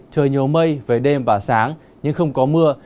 trời nhiều mây về đêm và sáng nhưng không có mưa